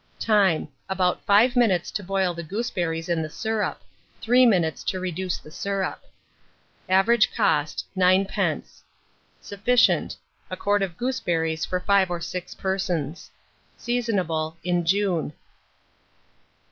Time. About 5 minutes to boil the gooseberries in the syrup; 3 minutes to reduce the syrup. Average cost, 9d. Sufficient, a quart of gooseberries for 5 or 6 persons. Seasonable in June.